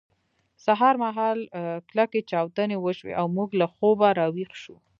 سهار مهال کلکې چاودنې وشوې او موږ له خوبه راویښ شوو